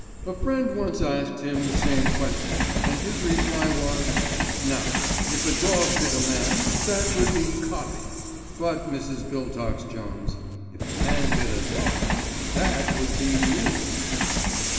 "A friend once asked him the same question, and his reply was, 'Now, if a dog bit a man, that would be 'copy'; but, Mrs. Biltox Jones, if a man bit a dog, that would be 'news.